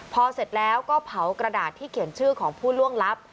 พอเสร็จแล้วก็เผากระดาษที่เขียนชื่อของผู้ล่วงลับ